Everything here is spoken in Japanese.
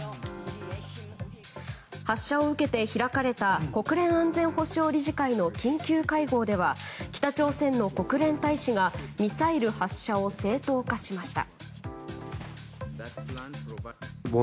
発射を受けて開かれた国連安全保障理事会の緊急会合では北朝鮮の国連大使がミサイル発射を正当化しました。